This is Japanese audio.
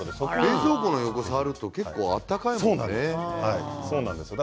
冷蔵庫の横を触ると温かいもんね。